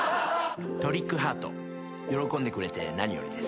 トリックハート喜んでくれて何よりです。